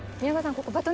ここ。